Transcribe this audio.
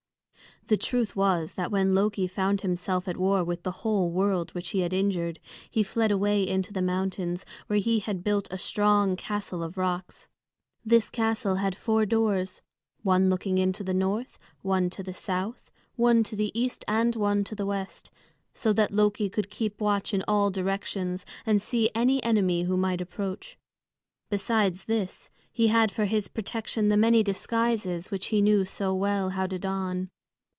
The truth was that when Loki found himself at war with the whole world which he had injured, he fled away into the mountains, where he had built a strong castle of rocks. This castle had four doors, one looking into the north, one to the south, one to the east, and one to the west; so that Loki could keep watch in all directions and see any enemy who might approach. Besides this, he had for his protection the many disguises which he knew so well how to don.